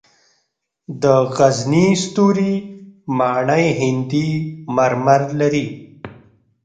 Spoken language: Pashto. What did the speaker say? د غزني ستوري ماڼۍ هندي مرمر لري